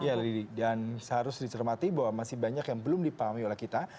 ya lady dan seharusnya dicermati bahwa masih banyak yang belum dipahami oleh kita